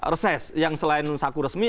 reses yang selain saku resmi